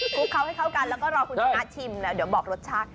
ลุกเขาให้เข้ากันแล้วก็รอคุณชนะชิมแล้วเดี๋ยวบอกรสชาติ